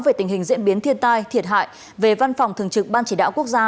về tình hình diễn biến thiên tai thiệt hại về văn phòng thường trực ban chỉ đạo quốc gia